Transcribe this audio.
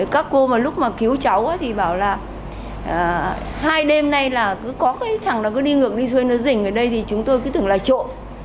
các cô mà lúc mà cứu cháu thì bảo là hai đêm nay là cứ có cái thẳng là cứ đi ngược đi xuôi nó dình ở đây thì chúng tôi cứ tưởng là trộm